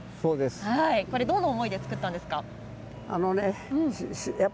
どんな思いで作ったんですか。